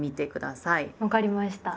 分かりました。